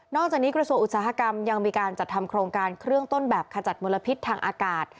จากนี้กระทรวงอุตสาหกรรมยังมีการจัดทำโครงการเครื่องต้นแบบขจัดมลพิษทางอากาศ